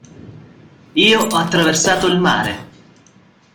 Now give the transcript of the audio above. Io ho attraversato il mare!